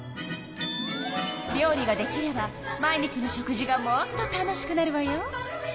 料理ができれば毎日の食事がもっと楽しくなるわよ。